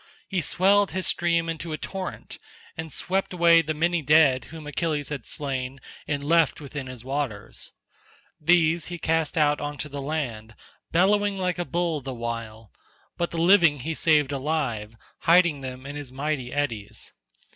He swelled his stream into a torrent, and swept away the many dead whom Achilles had slain and left within his waters. These he cast out on to the land, bellowing like a bull the while, but the living he saved alive, hiding them in his mighty eddies.